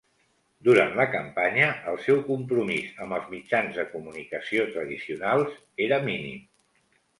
Durant la campanya, el seu compromís amb els mitjans de comunicació tradicionals era mínim.